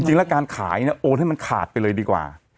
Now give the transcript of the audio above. จริงแล้วการขายเนี่ยโอนให้มันขาดไปเลยดีกว่า